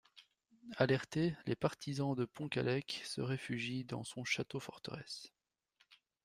Alertés, les partisans de Pontcallec se réfugient dans son château-forteresse.